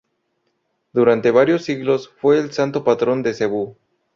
Durante varios siglos fue el santo patrón de Cebú.